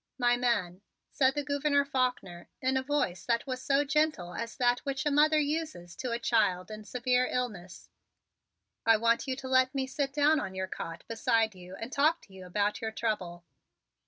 "My man," said the Gouverneur Faulkner in a voice that was so gentle as that which a mother uses to a child in severe illness, "I want you to let me sit down on your cot beside you and talk to you about your trouble."